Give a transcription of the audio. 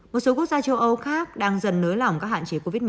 một số quốc gia châu âu khác đang dần nới lỏng các hạn chế covid một mươi